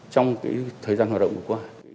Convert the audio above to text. trong thời gian hoạt động vừa qua